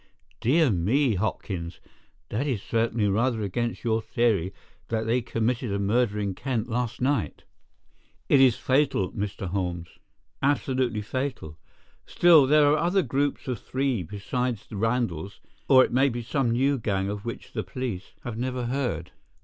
"Dear me, Hopkins! That is certainly rather against your theory that they committed a murder in Kent last night." "It is fatal, Mr. Holmes—absolutely fatal. Still, there are other gangs of three besides the Randalls, or it may be some new gang of which the police have never heard."